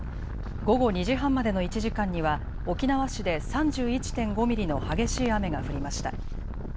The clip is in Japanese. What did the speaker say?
午後２時半までの１時間には沖縄市で３１．５ミリの激しい雨が降りました。